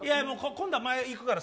今度は前行くから。